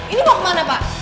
ini mau kemana pak